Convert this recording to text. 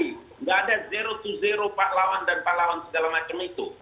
tidak ada zero to zero pahlawan dan pahlawan segala macam itu